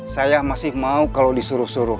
saya masih mau kalau disuruh suruh